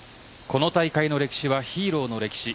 この大会の歴史はヒーローの歴史。